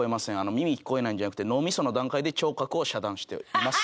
「耳聞こえないんじゃなくて脳みその段階で聴覚を遮断しています」。